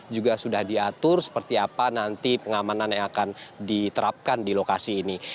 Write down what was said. juga sudah diatur seperti apa nanti pengamanan yang akan diterapkan di lokasi ini